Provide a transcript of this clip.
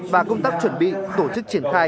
và công tác chuẩn bị tổ chức triển thai